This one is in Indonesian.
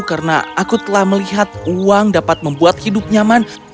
karena aku telah melihat uang dapat membuat hidup nyaman